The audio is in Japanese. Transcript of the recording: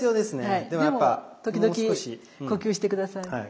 でも時々呼吸して下さい。